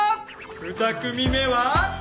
二組目は？